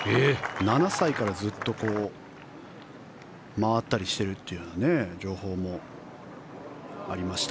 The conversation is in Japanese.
７歳からずっと回ったりしているというような情報もありました。